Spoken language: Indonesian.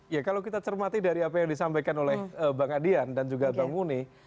ya kalau kita cermati dari apa yang disampaikan oleh bang adian dan juga bang muni